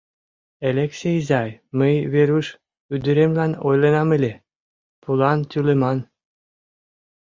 — Элексей изай, мый Веруш ӱдыремлан ойленам ыле, пулан тӱлыман.